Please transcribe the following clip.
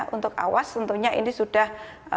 untuk awas tentunya ini sudah